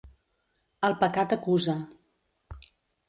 El pecat acusa.